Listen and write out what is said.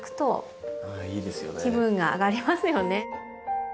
気分が上がりますよね。